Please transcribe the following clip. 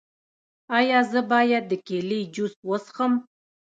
ایا زه باید د کیلي جوس وڅښم؟